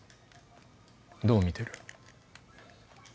どう見てる？